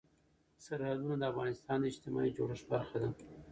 سرحدونه د افغانستان د اجتماعي جوړښت برخه ده.